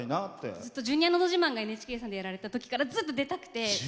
ずっと「ジュニアのど自慢」をＮＨＫさんがやっていたときからずっと出たくて。